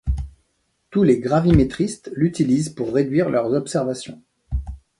Tous les gravimétristes l'utilisent pour réduire leurs observations.